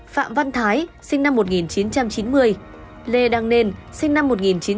phạm văn thái sinh năm một nghìn chín trăm chín mươi lê đăng nên sinh năm một nghìn chín trăm chín mươi